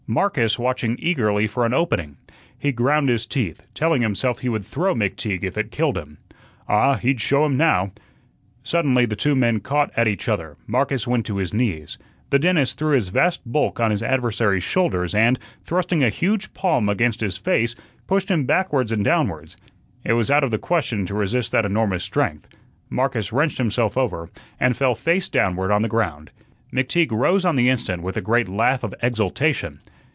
Marcus watching eagerly for an opening. He ground his teeth, telling himself he would throw McTeague if it killed him. Ah, he'd show him now. Suddenly the two men caught at each other; Marcus went to his knees. The dentist threw his vast bulk on his adversary's shoulders and, thrusting a huge palm against his face, pushed him backwards and downwards. It was out of the question to resist that enormous strength. Marcus wrenched himself over and fell face downward on the ground. McTeague rose on the instant with a great laugh of exultation.